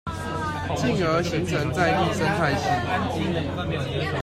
進而形成在地生態系